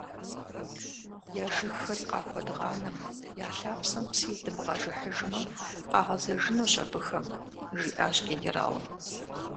- Я жыгхэри къахуэдгъанэмэ, я лъапсэм псы идмыгъэжыхьыжмэ, къагъэзэжынущ абыхэм, – жиӏащ генералым.